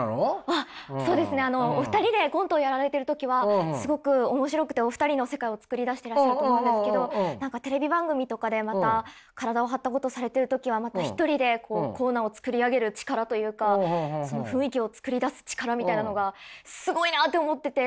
あっそうですねお二人でコントをやられてる時はすごく面白くてお二人の世界をつくり出してらっしゃると思うんですけど何かテレビ番組とかでまた体を張ったことをされてる時はまた一人でこうコーナーを作り上げる力というかその雰囲気を作り出す力みたいなのがすごいなって思ってて。